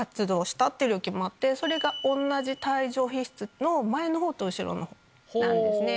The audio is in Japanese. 同じ帯状皮質の前の方と後ろの方なんですね。